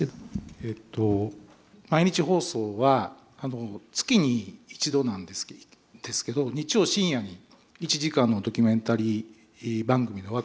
毎日放送は月に一度なんですけど日曜深夜に１時間のドキュメンタリー番組の枠を持っておりまして。